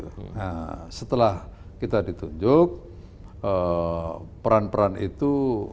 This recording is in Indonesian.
nah setelah kita ditunjuk peran peran itu